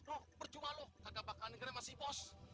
kita jual loh harga pakanan negara masih bos